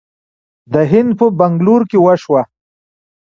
د هند په بنګلور کې وشوه